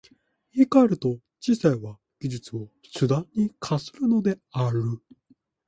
言い換えると、知性は技術を手段に化するのである。